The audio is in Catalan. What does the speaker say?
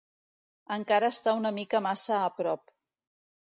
Encara està una mica massa a prop.